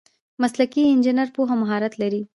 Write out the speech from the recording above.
مسلکي انجینر پوهه او مهارت لري.